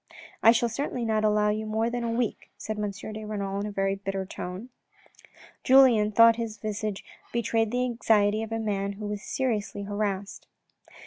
" I shall certainly not allow you more than a week," said M. de Renal in a very bitter tone. Julien thought his visage betrayed the anxiety of a man who was seriously harassed.